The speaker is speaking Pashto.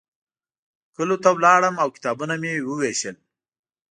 کلیو ته لاړم او کتابونه مې ووېشل.